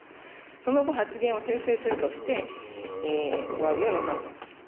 その後、発言を訂正するとして、おあげをなさったと。